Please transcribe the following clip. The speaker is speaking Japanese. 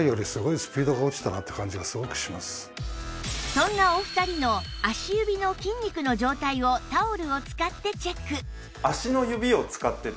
そんなお二人の足指の筋肉の状態をタオルを使ってチェック